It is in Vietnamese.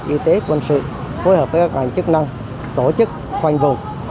y tế quân sự phối hợp với các ngành chức năng tổ chức khoanh vùng